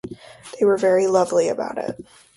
And they were very lovely about it.